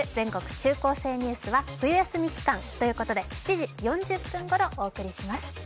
中高生ニュース」は冬休み期間ということで７時４０分ごろお伝えします。